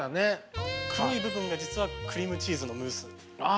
黒い部分が実はクリームチーズのムース。